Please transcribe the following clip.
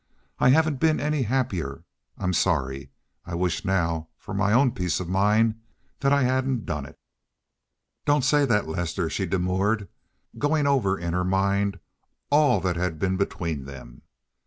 I haven't been any happier. I'm sorry. I wish now, for my own peace of mind, that I hadn't done it." "Don't say that, Lester," she demurred, going over in her mind all that had been between them.